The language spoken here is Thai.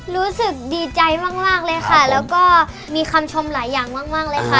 รู้สึกดีใจมากเลยค่ะแล้วก็มีคำชมหลายอย่างมากเลยค่ะ